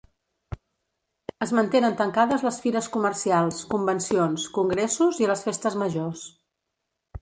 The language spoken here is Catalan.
Es mantenen tancades les fires comercials, convencions, congressos i les festes majors.